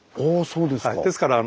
そうですか。